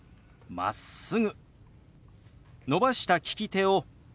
「まっすぐ」。